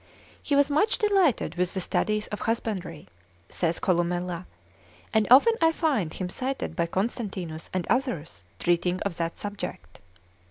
He was much delighted with the studies of husbandry, saith Columella, and often I find him cited by Constantinus and others treating of that subject.